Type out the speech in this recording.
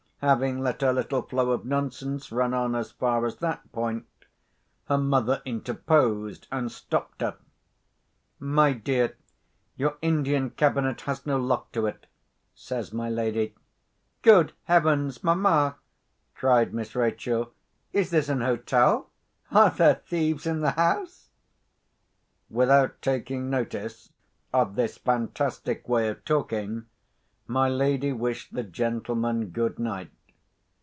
Having let her little flow of nonsense run on as far as that point, her mother interposed and stopped her. "My dear! your Indian cabinet has no lock to it," says my lady. "Good Heavens, mamma!" cried Miss Rachel, "is this an hotel? Are there thieves in the house?" Without taking notice of this fantastic way of talking, my lady wished the gentlemen good night.